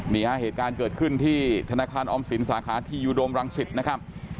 เหตุการณ์เกิดขึ้นที่ธนาคารออมสินสาขาที่ยูโดมรังสิตนะครับ